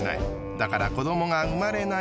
だから子どもが生まれない。